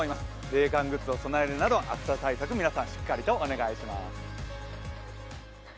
冷感グッズを備えるなど暑さ対策を皆さんしっかりとお願いします。